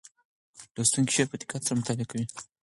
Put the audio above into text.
لوستونکی شعر په دقت سره مطالعه کوي.